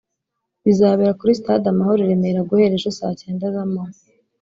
bizabera kuri stade Amahoro i Remera guhera ejo saa cyenda z’amanywa